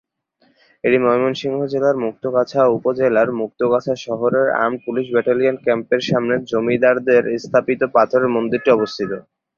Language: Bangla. এটি ময়মনসিংহ জেলার মুক্তাগাছা উপজেলার মুক্তাগাছা শহরের আর্মড পুলিশ ব্যাটালিয়ন ক্যাম্পের সামনে জমিদারদের স্থাপিত পাথরের মন্দিরটি অবস্থিত।